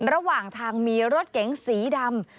ระหว่างทางมีรถเก๋งสีดำ